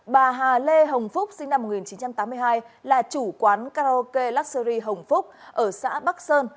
bà hà lê hồng phúc sinh năm một nghìn chín trăm tám mươi hai là chủ quán karaoke luxury hồng phúc ở xã bắc sơn